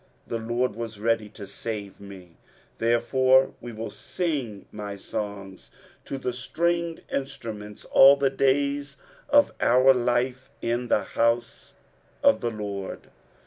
23:038:020 The LORD was ready to save me: therefore we will sing my songs to the stringed instruments all the days of our life in the house of the LORD.